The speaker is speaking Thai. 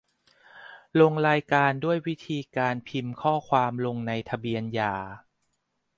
ลงรายการด้วยวิธีการพิมพ์ข้อความลงในทะเบียนหย่า